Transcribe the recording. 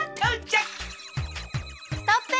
ストップ！